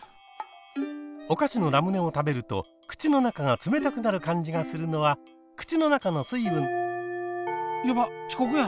おかしのラムネを食べると口の中が冷たくなる感じがするのは口の中の水分。やばっちこくや！